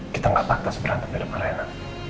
kita tidak patah seberantem dengan rena